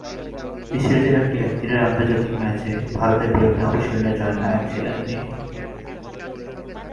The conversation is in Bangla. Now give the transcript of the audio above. এই সিরিজের একটি একদিনের আন্তর্জাতিক ম্যাচে ভারতের বিরুদ্ধে অবিস্মরণীয় জয়ের নায়ক ছিলেন তিনি।